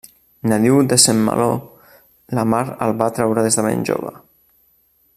Nadiu de Saint-Malo, la mar el va atraure des de ben jove.